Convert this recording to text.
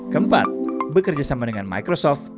keempat bekerja sama dengan microsoft